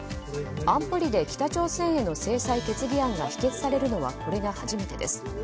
安保理で北朝鮮への制裁決議案が否決されるのはこれが初めてです。